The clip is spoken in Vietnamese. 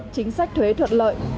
chính sách thuế thuận lợi